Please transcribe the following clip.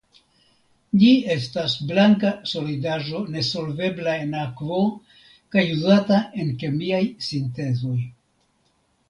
Ĝi estas blanka solidaĵo nesolvebla en akvo kaj uzata en kemiaj sintezoj.